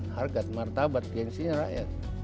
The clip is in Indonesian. harga martabat gengsinya rakyat